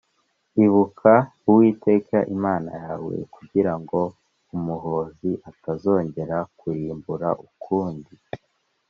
ibuka Uwiteka Imana yawe kugira ngo umuhōzi atazongera kurimbura ukundi